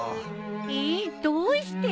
えっどうして？